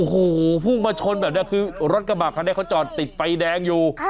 โอ้โหพุ่งมาชนแบบนี้คือรถกระบะคันนี้เขาจอดติดไฟแดงอยู่